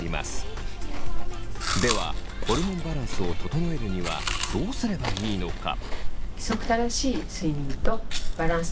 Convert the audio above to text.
ではホルモンバランスを整えるにはどうすればいいのか。